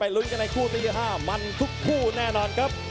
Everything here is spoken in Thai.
ลุ้นกันในคู่ที่๕มันทุกคู่แน่นอนครับ